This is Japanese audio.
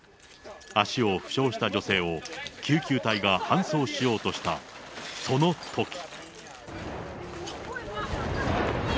足を負傷した女性を、救急隊が搬送しようとしたそのとき。